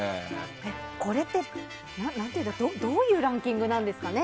これって、どういうランキングなんですかね？